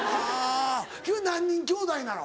君は何人きょうだいなの？